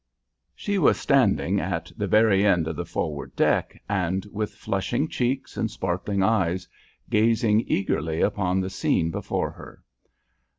She was standing at the very end of the forward deck, and, with flushing cheeks and sparkling eyes, gazing eagerly upon the scene before her.